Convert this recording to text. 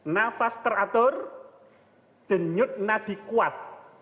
nafas teratur denyut nadi kuat